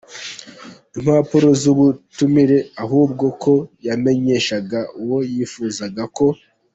impapuro z’ubutumire ahubwo ko yamenyeshaga uwo yifuza ko